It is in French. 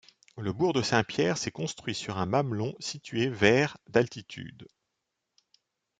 Le bourg de Saint-Pierre s'est construit sur un mamelon situé vers d'altitude.